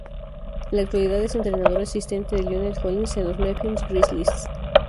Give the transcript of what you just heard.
En la actualidad es entrenador asistente de Lionel Hollins en los Memphis Grizzlies.